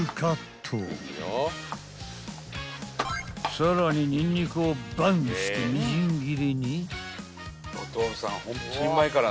［さらにニンニクをバンッしてみじん切りに］